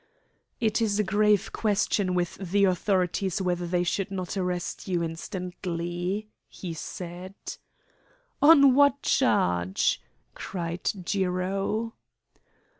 "It is a grave question with the authorities whether they should not arrest you instantly," he said. "On what charge?" cried Jiro.